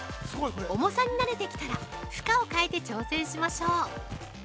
重さになれてきたら負荷を変えて挑戦しましょう。